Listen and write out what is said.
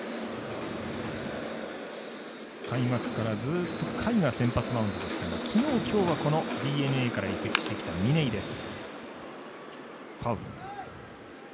開幕からずっと甲斐が先発でしたが昨日、今日はＤｅＮＡから移籍してきた嶺井です。